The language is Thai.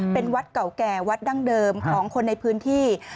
เป็นวัดเก่าแก่วัดดั้งเดิมของคนในพื้นที่